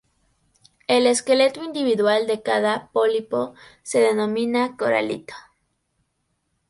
El esqueleto individual de cada pólipo se denomina coralito.